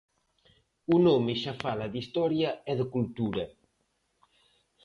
O nome xa fala de historia e de cultura.